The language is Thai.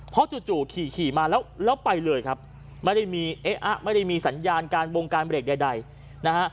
เพราะจู่ขี่มาแล้วแล้วไปเลยครับไม่ได้มีเอ๊ะไม่ได้มีสัญญาณการบงการเบรกใดนะฮะ